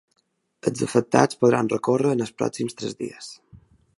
Els afectats podran recórrer en els pròxims tres dies.